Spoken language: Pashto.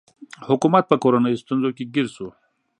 حکومت په کورنیو ستونزو کې ګیر شو.